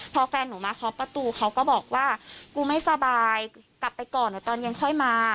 พอแฟนหนูมาเคาะประตูเขาก็บอกว่ากูไม่สบายกลับไปก่อนเดี๋ยวตอนเย็นค่อยมา